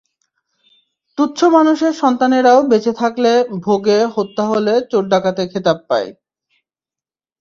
তুচ্ছ মানুষের সন্তানেরাও বেঁচে থাকলে ভোগে, হত্যা হলে চোর-ডাকাতের খেতাব পায়।